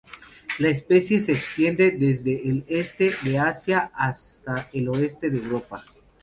La especie se extiende desde el este de Asia hasta el oeste de Europa.